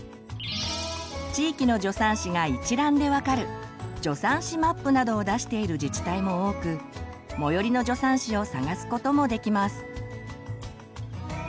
地域の助産師が一覧で分かる「助産師マップ」などを出している自治体も多く最寄りの助産師を探すこともできます。